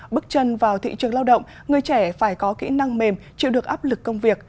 bước chân vào thị trường lao động người trẻ phải có kỹ năng mềm chịu được áp lực công việc